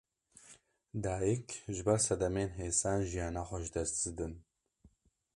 Dayîk, ji ber sedemên hêsan jiyana xwe ji dest didin